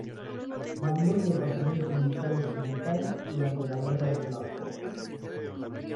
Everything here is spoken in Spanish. Mandó el Departamento Militar occidental durante la Guerra de Black Hawk.